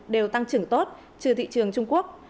đều tăng trưởng tốt trừ thị trường trung quốc